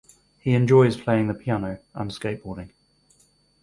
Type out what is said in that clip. He enjoys playing the piano and skate boarding.